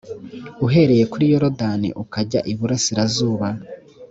uhereye kuri yorodani ukajya iburasirazuba